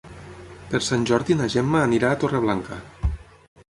Per Sant Jordi na Gemma anirà a Torreblanca.